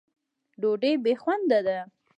ډوډۍ بې خونده ده.